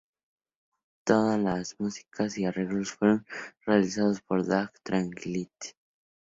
Toda la músicas y arreglos fueron realizados por Dark Tranquillity